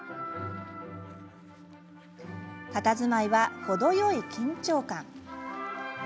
たたずまいは、程よい緊張感。